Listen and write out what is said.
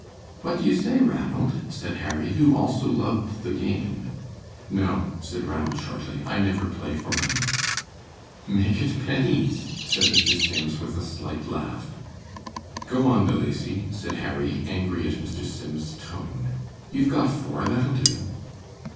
"What do you say, Ranald," said Harry, who also loved the game. "No," said Ranald, shortly, "I never play for money." "Make it pennies," said Mr. Sims, with a slight laugh. "Go on, De Lacy," said Harry, angry at Mr. Sims's tone. "You've got four that'll do!"